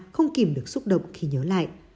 không kìm được xúc động khi nhớ lại